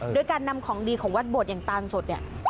โดยการนำของดีของวัดโบสถอย่างตางสดเนี่ย